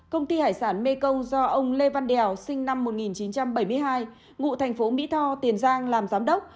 công ty hải sản mekong do ông lê văn đèo sinh năm một nghìn chín trăm bảy mươi hai ngụ thành phố mỹ tho tiền giang làm giám đốc